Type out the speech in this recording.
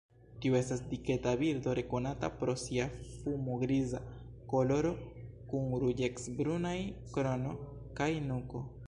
Tiu estas diketa birdo rekonata pro sia fumo-griza koloro kun ruĝec-brunaj krono kaj nuko.